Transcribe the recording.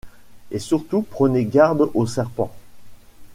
Et surtout prenez garde aux serpents !…